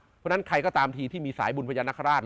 เพราะฉะนั้นใครก็ตามทีที่มีสายบุญพญานาคาราช